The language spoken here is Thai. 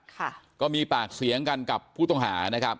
ค่ะก็มีปากเสียงกันกับผู้ต้องหานะครับ